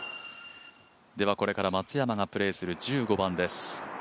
これから松山がプレーする１５番です。